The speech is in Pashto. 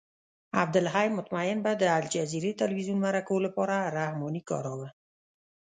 عبدالحی مطمئن به د الجزیرې تلویزیون مرکو لپاره رحماني کاراوه.